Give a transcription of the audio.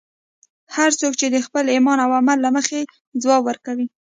هر څوک به د خپل ایمان او عمل له مخې ځواب ورکوي.